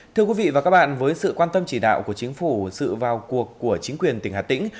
thưa quý vị và các bạn với sự quan tâm chỉ đạo của chính phủ sự vào cuộc của chính quyền tỉnh hà tĩnh